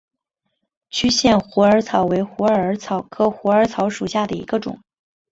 区限虎耳草为虎耳草科虎耳草属下的一个种。